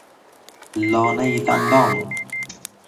لانه دندان